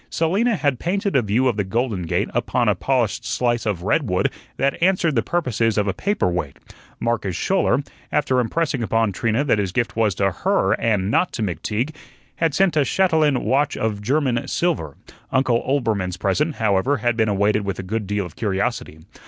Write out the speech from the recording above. Selina had painted a view of the Golden Gate upon a polished slice of redwood that answered the purposes of a paper weight. Marcus Schouler after impressing upon Trina that his gift was to HER, and not to McTeague had sent a chatelaine watch of German silver; Uncle Oelbermann's present, however, had been awaited with a good deal of curiosity.